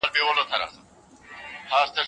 په لرو پرتو سیمو کي قابلې سته؟